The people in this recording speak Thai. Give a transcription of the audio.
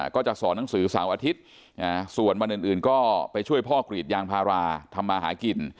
ก็จะสอนหนังสือเสาร์อาทิตย์ส่วนวันอื่นก็ไปช่วยพ่อกรีดยางพาราทำมาหากิน